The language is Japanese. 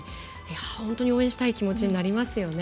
本当に応援したい気持ちになりますよね。